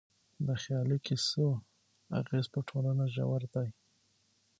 د خيالي کيسو اغېز په ټولنه ژور دی.